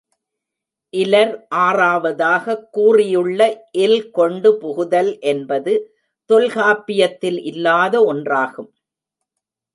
இலர் ஆறாவதாகக் கூறியுள்ள இல் கொண்டு புகுதல் என்பது தொல்காப்பியத்தில் இல்லாத ஒன்றாகும்.